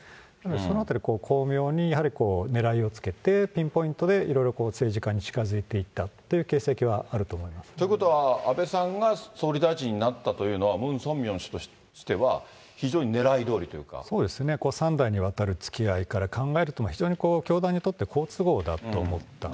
そのあたり、巧妙にやはり狙いをつけて、ピンポイントでいろいろ政治家に近づいていったという形跡はあるということは、安倍さんが総理大臣になったというのは、ムン・ソンミョン氏としては非常にねそうですね。３代にわたるつきあいから考えると、非常に教団にとって好都合だと思った。